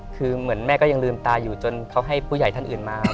คือเหมือนแม่ก็ยังลืมตาอยู่จนเขาให้ผู้ใหญ่ท่านอื่นมา